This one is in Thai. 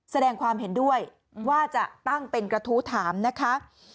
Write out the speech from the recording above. แสดงความเห็นด้วยว่าจะตั้งเป็นกระทู้ถามนะคะ